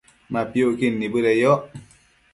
Ma piucquid nibëdeyoc